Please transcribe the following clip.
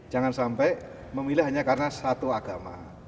jangan sampai memilih hanya karena satu agama